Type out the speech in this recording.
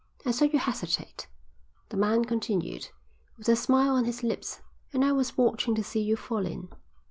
"I saw you hesitate," the man continued, with a smile on his lips, "and I was watching to see you fall in."